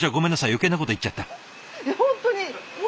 余計なこと言っちゃった。